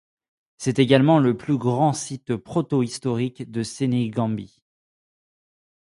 C'est également le plus grand site protohistorique de Sénégambie.